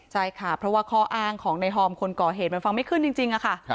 ใช่ค่ะเพราะว่าข้ออ้างของในหอมคนก่อเหตุมันฟังไม่ขึ้นจริงค่ะ